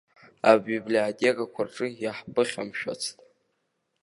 Абиблиотекақәа рҿы иаҳԥыхьамшәацт.